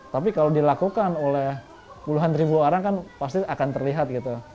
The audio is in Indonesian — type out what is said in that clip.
tapi kalau dilakukan oleh puluhan ribu orang kan pasti akan terlihat gitu